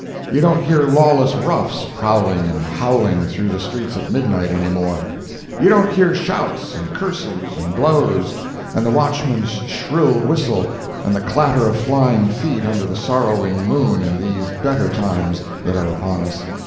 You don't hear lawless roughs prowling and howling through the streets at midnight anymore. You don't hear shouts, and curses, and blows, and the watchman's shrill whistle and the clatter of flying feet under the sorrowing moon in these better times that are upon us.